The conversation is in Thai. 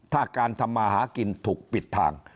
ถ้าการทำมาหากินถูกปิดทาง